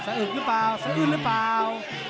สะอึดหรือเปล่าสะอึดหรือเปล่า